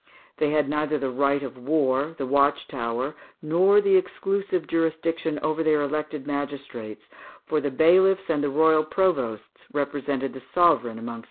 They had neither the right of war, the watch tower, nor the exclusive jurisdiction over their elected magistrates, for the bailiffs and the royal provosts represented the sovereign amongst them (Fig.